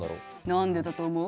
何でだと思う？